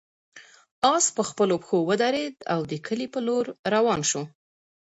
آس په خپلو پښو ودرېد او د کلي په لور روان شو.